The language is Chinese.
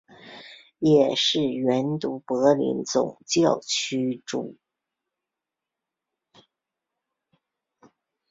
也是原都柏林总教区总主教。